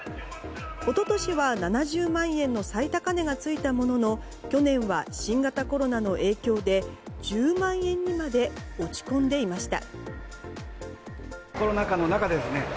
一昨年は７０万円の最高値が付いたものの去年は新型コロナの影響で１０万円にまで落ち込んでいました。